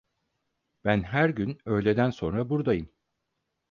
Ben her gün öğleden sonra burdayım.